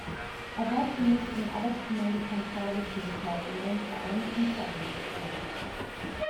Er war zunächst dem ‚Arbeitskommando Plantage’ zugeteilt, in dem vor allem Priester eingesetzt waren.